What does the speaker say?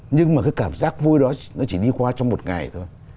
nhưng mà cái cảm giác vui đó nó chỉ đi qua trong một ngày thôi